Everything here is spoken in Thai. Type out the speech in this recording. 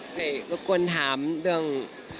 สิเราก็ค้นถามเรื่อง